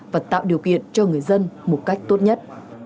và tạo điều kiện cho người dân một cách tốt nhất